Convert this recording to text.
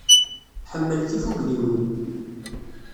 Tḥemmel tifugliwin.